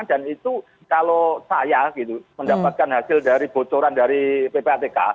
dan itu kalau saya gitu mendapatkan hasil dari bocoran dari ppatk